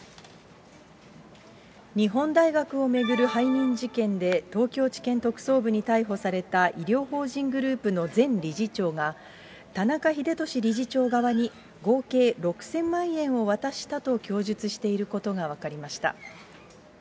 日本大学を巡る背任事件で、東京地検特捜部に逮捕された医療法人グループの前理事長が、田中英壽理事長側に合計６０００万円を渡したと供述していることが分かりました。